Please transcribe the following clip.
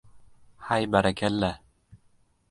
— Hay, barakalla!